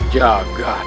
jaga dewa batar